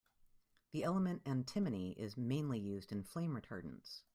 The element antimony is mainly used in flame retardants.